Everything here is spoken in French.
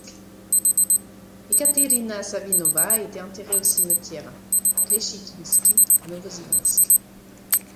Ekaterina Savinova a été enterrée au cimetière Kleshchikhinsky à Novosibirsk.